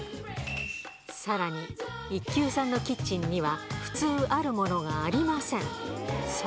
さらに、１級さんのキッチンには、普通あるものがありません。